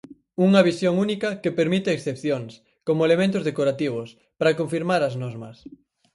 Unha visión única que permite excepcións, como elementos decorativos, para confirmar as normas.